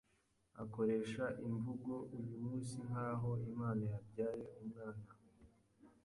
akoresha imvugo uyumunsi nkaho Imana yabyaye Umwana